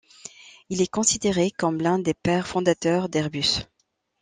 Il est considéré comme l'un des pères fondateurs d'Airbus.